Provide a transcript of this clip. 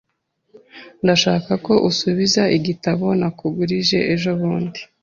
Ndashaka ko usubiza igitabo nakugurije ejobundi .